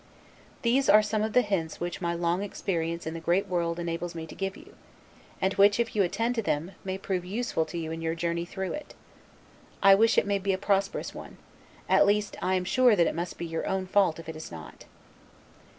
These are some of the hints which my long experience in the great world enables me to give you; and which, if you attend to them, may prove useful to you in your journey through it. I wish it may be a prosperous one; at least, I am sure that it must be your own fault if it is not.